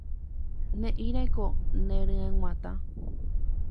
Ne'írãiko neryguatã.